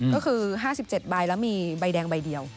ก็คือ๕๗ใบแล้วมีใบแดงใบเดียว